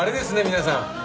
皆さん。